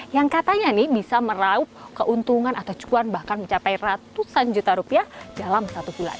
yang katanya nih bisa meraup keuntungan atau cuan bahkan mencapai ratusan juta rupiah dalam satu bulan